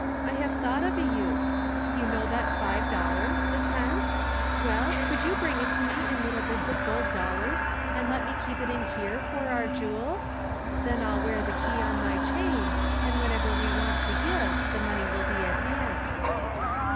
I have thought of a use. You know that five dollars, the tenth ? Well, could you bring it to me in little bits of gold dollars and let me keep it in here for our jewels ? Then I'll wear the key on my chain, and whenever we want to give, the money will be at hand."